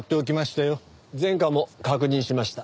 前科も確認しました。